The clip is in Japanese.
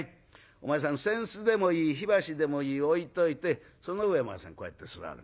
お前さん扇子でもいい火箸でもいい置いといてその上にお前さんこうやって座る。